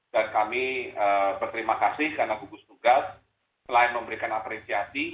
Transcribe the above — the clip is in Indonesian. dan kami berterima kasih karena gugus tugas selain memberikan apresiasi